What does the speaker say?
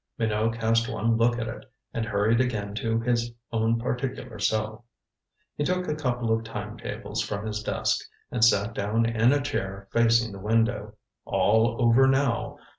Minot cast one look at it, and hurried again to his own particular cell. He took a couple of time tables from his desk, and sat down in a chair facing the window. All over now.